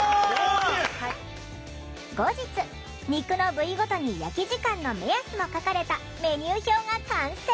後日肉の部位ごとに焼き時間の目安も書かれたメニュー表が完成。